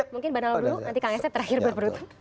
mungkin ban nolong dulu nanti kang asep terakhir berperuntuk